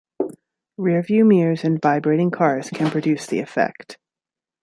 Rear-view mirrors in vibrating cars can produce the effect.